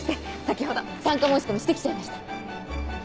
先ほど参加申し込みして来ちゃいました。